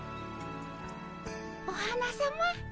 お花さま。